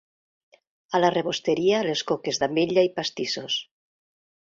A la rebosteria les coques d'ametlla i pastissos.